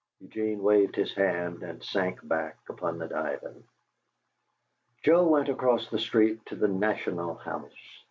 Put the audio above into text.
Eugene waved his hand and sank back upon the divan. Joe went across the street to the "National House."